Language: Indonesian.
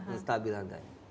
yang stabil harganya